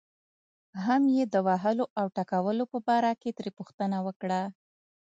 هم یې د وهلو او ټکولو په باره کې ترې پوښتنه وکړه.